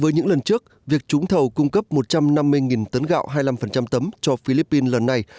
với những lần trước việc trúng thầu cung cấp một trăm năm mươi tấn gạo hai mươi năm tấm cho philippines lần này